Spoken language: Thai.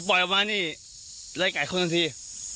ถ้าปล่อยอ่ะมานี่ใดข่าวทั้งที